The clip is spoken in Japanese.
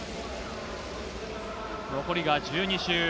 残りが１２周。